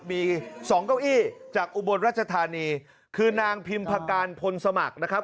มีสองเก้าอี้จากอุบลราชธานีคือนางพิมพการพลสมัครนะครับ